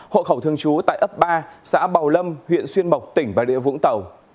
hộ khẩu thường trú tại ấp ba xã bào lâm huyện xuyên bọc tỉnh bà rịa vũng tàu